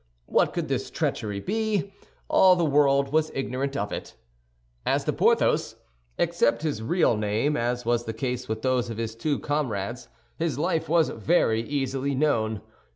What could this treachery be? All the world was ignorant of it. As to Porthos, except his real name (as was the case with those of his two comrades), his life was very easily known.